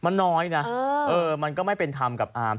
มันน้อยนะมันก็ไม่เป็นธรรมกับอาร์ม